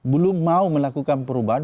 belum mau melakukan perubahan